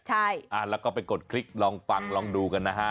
ใช่แล้วก็ไปกดคลิกลองฟังลองดูกันนะฮะ